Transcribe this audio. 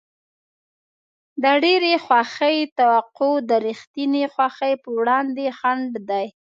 د ډېرې خوښۍ توقع د رښتینې خوښۍ په وړاندې خنډ دی.